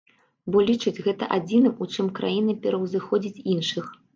Бо лічыць гэта адзіным, у чым краіна пераўзыходзіць іншых.